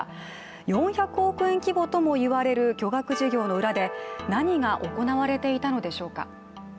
４００億円規模ともいわれる巨額事業の裏で何が行われていたのでしょうか。